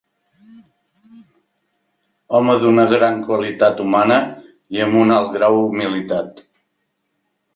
Home d'una gran qualitat humana i amb un alt grau humilitat.